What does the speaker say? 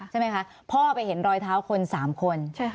ใช่ไหมคะพ่อไปเห็นรอยเท้าคน๓คน